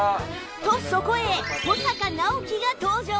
とそこへ保阪尚希が登場